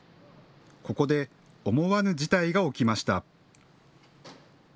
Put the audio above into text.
ここで思わぬ事態が起きました。